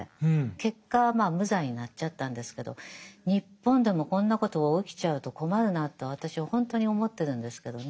結果はまあ無罪になっちゃったんですけど日本でもこんなことが起きちゃうと困るなと私はほんとに思ってるんですけどね。